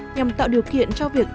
nhằm tạo điều kiện cho việc bán dẫn